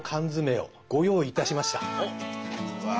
うわ。